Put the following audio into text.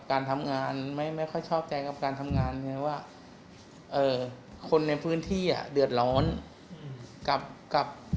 การทำงานไม่ค่อยชอบใจกับการทำงานว่าคนในพื้นที่อ่ะเดือดร้อนกับ